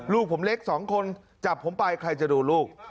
ลูกผมเล็กสองคนจับผมไปใครจะดูลูก